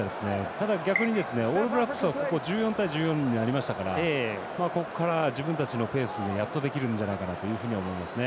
ただ、逆にオールブラックスは１４対１４になりましたからここから、自分たちのペースにやっとできるんじゃないかなと思いますね。